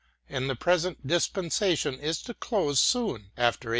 and the present dispensation is to close soon after 1864.